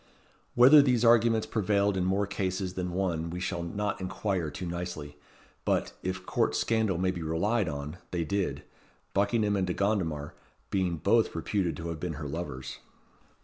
Whether these arguments prevailed in more cases than one we shall not inquire too nicely; but, if court scandal may be relied on, they did Buckingham and De Gondomar being both reputed to have been her lovers.